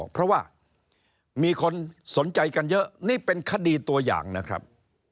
เพราะว่ามีคนสนใจกันเยอะนี่เป็นคดีตัวอย่างนะครับ